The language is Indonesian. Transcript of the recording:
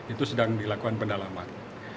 itu sedang dilakukan pendalaman